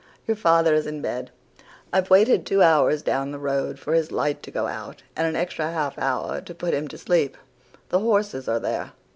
Your father is in bed. I've waited two hours down the road for his light to go out, and an extra half hour to put him to sleep. The horses are there.